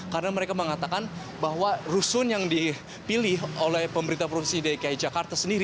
karena mereka mengatakan bahwa rusun yang dipilih oleh pemerintah provinsi dki jakarta